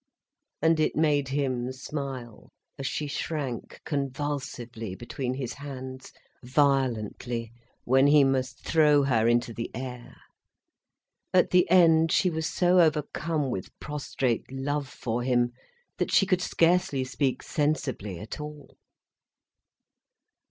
And it made him smile, as she shrank convulsively between his hands, violently, when he must throw her into the air. At the end, she was so overcome with prostrate love for him, that she could scarcely speak sensibly at all.